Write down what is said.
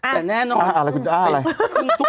แต่แน่นอน